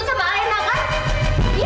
kita semua akan menuntut ibu